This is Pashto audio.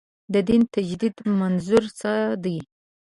د دین تجدید منظور څه دی.